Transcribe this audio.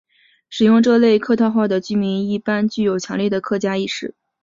使用这类客家话的居民一般具有强烈的客家意识。